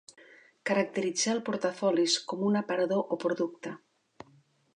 Caracteritzar el portafolis com un aparador o producte.